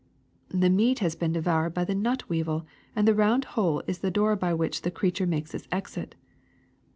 ^^The meat has been devoured by the nut weevil, and the round hole is the door by which the creature made its exit.